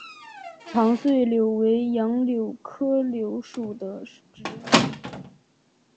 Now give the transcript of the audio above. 长穗柳为杨柳科柳属的植物。